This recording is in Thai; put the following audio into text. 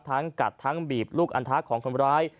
กัดทั้งบีบลูกอันทะของคนร้าย